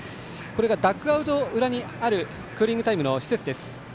ダグアウト裏にあるクーリングタイムの施設です。